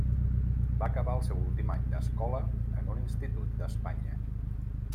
Va acabar el seu últim any d'escola en un institut d'Espanya.